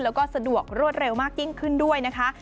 แล้วก็สะดวกรวดเร็วมากยิ่งขึ้นด้วยนะคะ